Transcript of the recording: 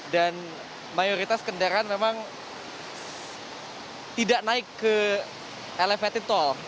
dan mayoritas kendaraan memang tidak naik ke elevator tol